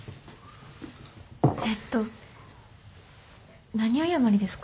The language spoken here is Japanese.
えっと何謝りですか？